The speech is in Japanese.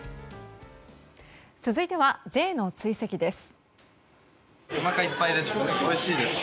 続いては、Ｊの追跡です。